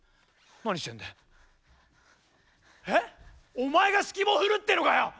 お前が指揮棒振るってのかよ！